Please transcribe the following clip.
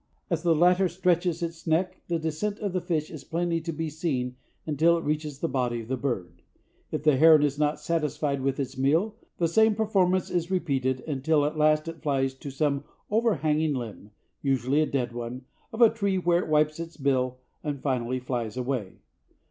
As the latter stretches its neck, the descent of the fish is plainly to be seen until it reaches the body of the bird. If the heron is not yet satisfied with its meal, the same performance is repeated until at last it flies to some overhanging limb—usually a dead one—of a tree where it wipes its bill and finally flies away.